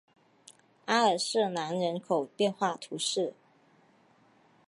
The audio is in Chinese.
阿尔瑟南人口变化图示